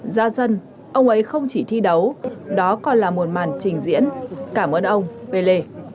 gia dân ông ấy không chỉ thi đấu đó còn là một màn trình diễn cảm ơn ông pele